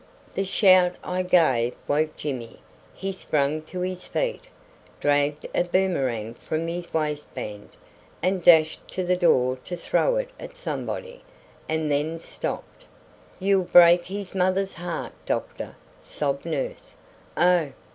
The shout I gave woke Jimmy, who sprang to his feet, dragged a boomerang from his waistband, and dashed to the door to throw it at somebody, and then stopped. "You'll break his mother's heart, doctor," sobbed nurse. "Oh!